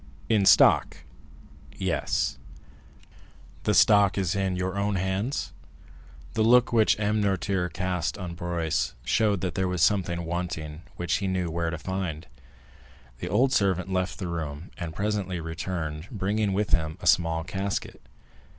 "In stock?" "Yes." "The stock is in your own hands?" The look which M. Noirtier cast on Barrois showed that there was something wanting which he knew where to find. The old servant left the room, and presently returned, bringing with him a small casket.